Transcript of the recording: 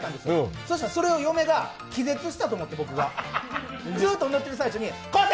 そしたら、それを嫁が僕が気絶したと思ってずっと乗ってる最中に「昴生！